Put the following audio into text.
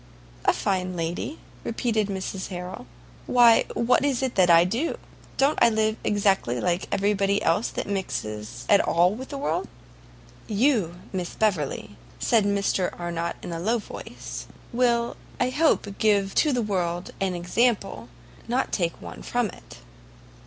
"A fine lady?" repeated Mrs Harrel; "why, what is it I do? Don't I live exactly like every body else that mixes at all with the world?" "You, Miss Beverley," said Mr Arnott in a low voice, "will I hope give to the world an example, not take one from it."